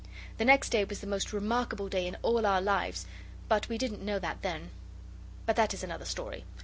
The next day was the most rememorable day in all our lives, but we didn't know that then. But that is another story.